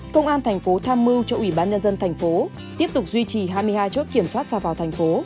công an tp tham mưu cho ủy ban nhân dân tp tiếp tục duy trì hai mươi hai chốt kiểm soát xa vào thành phố